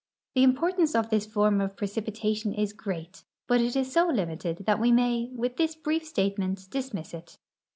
The importance of this form of precipitation is great, but it is so limited that we may, with this brief statement, dismiss it.